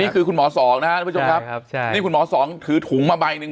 นี่คือคุณหมอสองนะครับคุณหมอสองถือถุงมาบ่ายอีกนึง